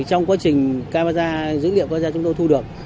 trong quá trình camera dữ liệu camera chúng tôi thu được